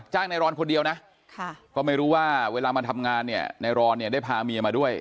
นายรอนคนเดียวนะก็ไม่รู้ว่าเวลามาทำงานเนี่ยนายรอนเนี่ยได้พาเมียมาด้วย